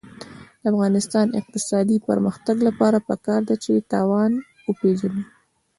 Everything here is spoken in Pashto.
د افغانستان د اقتصادي پرمختګ لپاره پکار ده چې تاوان وپېژنو.